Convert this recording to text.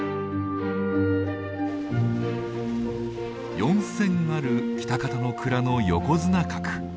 ４，０００ある喜多方の蔵の横綱格。